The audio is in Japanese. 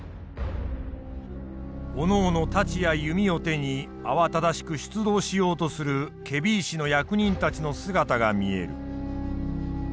おのおの太刀や弓を手に慌ただしく出動しようとする検非違使の役人たちの姿が見える。